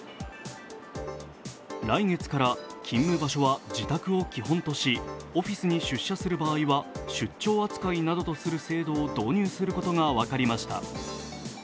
来月から勤務場所は自宅を基本としオフィスに出社する場合は出張扱いなどとする制度を導入することが分かりました。